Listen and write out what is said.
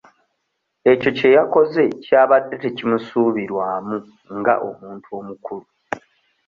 Ekyo kye yakoze kyabadde tekimusuubirwamu nga omuntu omukulu.